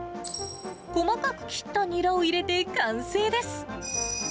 細かく切ったニラを入れて完成です。